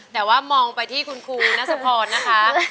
แต่ว่ามองไปที่คุณครูนัสพรนะคะ